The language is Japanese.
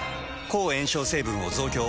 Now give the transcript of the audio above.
抗炎症成分を増強。